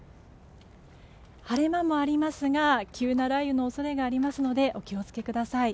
晴れ間もありますが急な雷雨の恐れがありますのでお気を付けください。